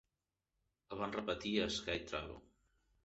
El van repetir a Sky Travel.